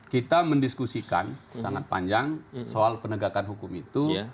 kita mendiskusikan sangat panjang soal penegakan hukum itu